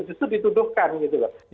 justru dituduhkan gitu loh